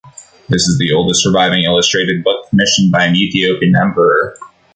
This is the oldest surviving illustrated book commissioned by an Ethiopian Emperor.